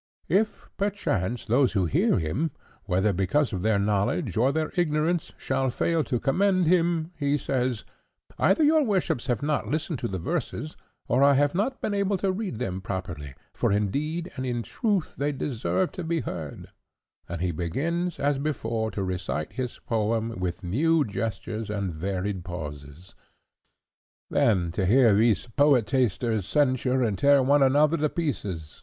"If, perchance, those who hear him, whether because of their knowledge or their ignorance, should fail to commend him, he says, 'Either your worships have not listened to the verses, or I have not been able to read them properly, for indeed and in truth they deserve to be heard;' and he begins, as before, to recite his poem, with new gestures and varied pauses. "Then to hear these poetasters censure and tear one another to pieces!